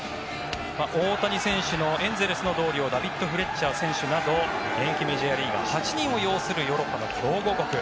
大谷選手のエンゼルスの同僚ダビッド・フレッチャー選手など現役メジャーリーガー８人を擁するヨーロッパの強豪国。